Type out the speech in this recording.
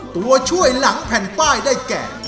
ตัวช่วยหลังแผ่นป้ายได้แก่